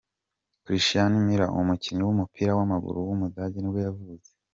Christian Müller, umukinnyi w’umupira w’amaguru w’umudage nibwo yavutse.